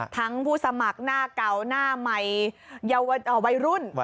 ทั้งผู้สมัครหน้าเกาหน้าใหม่วัยรุ่น